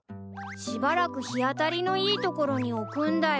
しばらく日当たりのいい所に置くんだよ。